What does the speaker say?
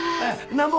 なんぼ？